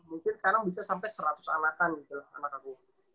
mungkin sekarang bisa sampai seratus anakan gitu loh anak aku